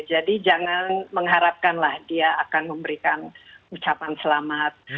jadi jangan mengharapkanlah dia akan memberikan ucapan selamat